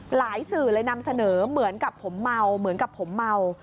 สื่อเลยนำเสนอเหมือนกับผมเมาเหมือนกับผมเมา